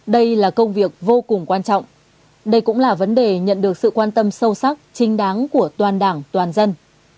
đây là công việc vô cùng quan trọng đây cũng là vấn đề nhận được sự quan tâm sâu sắc chính đáng của toàn đảng toàn dân